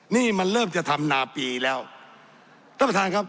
นี่มันเริ่มจะทำนาปีแล้วท่านประธานครับ